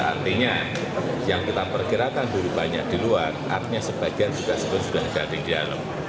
artinya yang kita perkirakan dulu banyak di luar artinya sebagian juga sebetulnya sudah gading di dalam